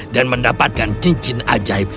dan mendapatkan cincin ajaib